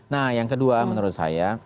nah yang kedua menurut saya